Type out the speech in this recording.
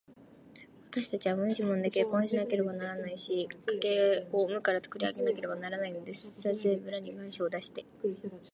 わたしたちは無一文で結婚しなければならないし、家計を無からつくり上げなければならないのです。先生、村に願書を出して、